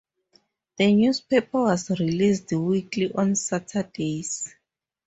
The newspaper was released weekly on Saturdays.